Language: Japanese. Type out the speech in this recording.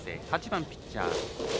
８番、ピッチャー辻。